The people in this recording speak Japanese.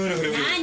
何？